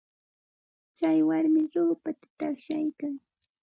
Tsay warmi ruupata taqshaykan.